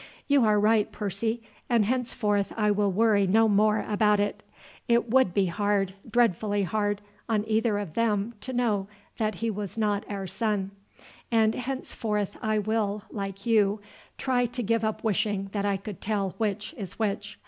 "You are right, Percy; and henceforth I will worry no more about it. It would be hard, dreadfully hard, on either of them to know that he was not our son; and henceforth I will, like you, try to give up wishing that I could tell which is which.